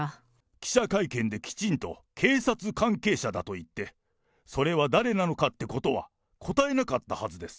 記者会見できちんと、警察関係者だと言って、それは誰なのかってことは答えなかったはずです。